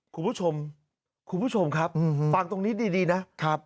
คุณผู้ชมคุณผู้ชมครับฟังตรงนี้ดีนะครับ